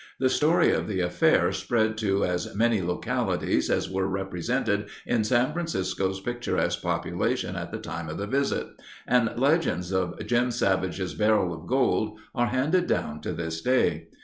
The story of the affair spread to as many localities as were represented in San Francisco's picturesque population at the time of the visit, and legends of Jim Savage's barrel of gold are handed down to this day.